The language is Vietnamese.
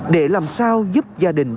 để làm sao giúp gia đình